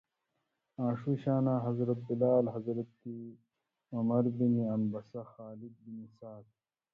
آں ݜُو شاناں حضرت بلال، حضرت عمر بن عنبسہ، خالد بن سعد،